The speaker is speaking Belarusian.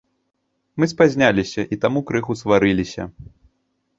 Мы спазняліся і таму крыху сварыліся.